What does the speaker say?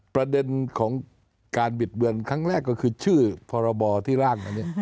ประเด็นของการบิดเบือนครั้งแรกก็คือชื่อพรบที่ร่างอันนี้